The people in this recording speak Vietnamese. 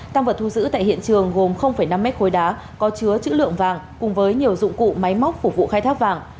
tăng vật thu giữ tại hiện trường gồm năm mét khối đá có chứa chữ lượng vàng cùng với nhiều dụng cụ máy móc phục vụ khai thác vàng